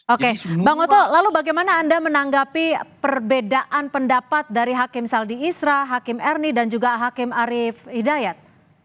oke bang oto lalu bagaimana anda menanggapi perbedaan pendapat dari hakim saldi isra hakim ernie dan juga hakim arief hidayat